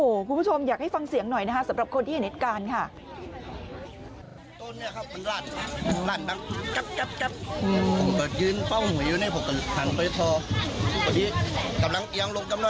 คุณผู้ชมอยากให้ฟังเสียงหน่อยนะคะสำหรับคนที่เห็นเหตุการณ์ค่ะ